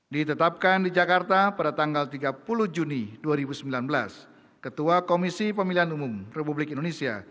ditetapkan di jakarta pada tanggal tiga puluh juni dua ribu sembilan belas ketua komisi pemilihan umum republik indonesia